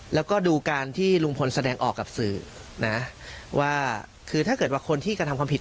แล้วก็ดูการที่ลุงพลแสดงออกกับสื่อนะว่าคือถ้าเกิดว่าคนที่กระทำความผิด